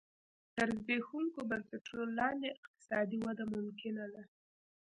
تر زبېښونکو بنسټونو لاندې اقتصادي وده ممکنه ده.